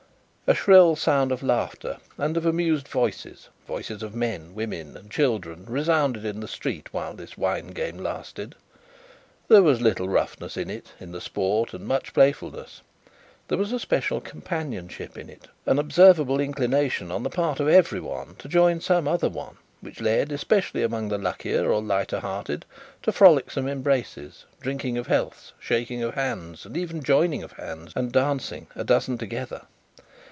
A shrill sound of laughter and of amused voices voices of men, women, and children resounded in the street while this wine game lasted. There was little roughness in the sport, and much playfulness. There was a special companionship in it, an observable inclination on the part of every one to join some other one, which led, especially among the luckier or lighter hearted, to frolicsome embraces, drinking of healths, shaking of hands, and even joining of hands and dancing, a dozen together.